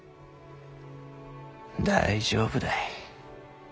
大丈夫だい。